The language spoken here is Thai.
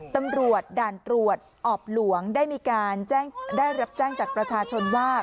ตำรวจด่านตรวจอบหลวงได้รับแจ้งจากประชาชนว่า